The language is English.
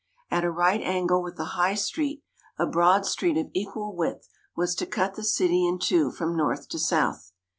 At a right angle with the High Street a broad street of equal width was to cut the city in two from north to south.